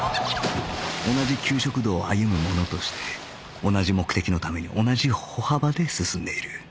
同じ給食道を歩む者として同じ目的のために同じ歩幅で進んでいる